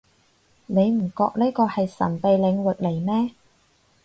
你唔覺呢個係神秘領域嚟咩